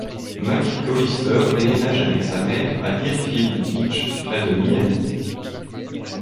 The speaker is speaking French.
McColister déménage avec sa mère à Deerfield Beach près de Miami.